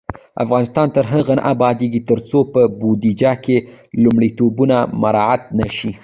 افغانستان تر هغو نه ابادیږي، ترڅو په بودیجه کې لومړیتوبونه مراعت نشي.